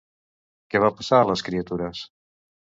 Què va passar a les criatures?